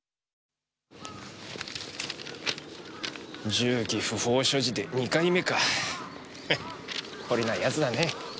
銃器不法所持で２回目か懲りないやつだね。